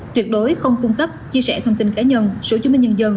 tuyệt đối không cung cấp chia sẻ thông tin cá nhân số chứng minh nhân dân